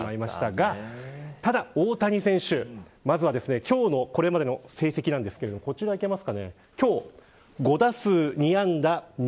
ただ、大谷選手まずは今日のこれまでの成績なんですがこちらです。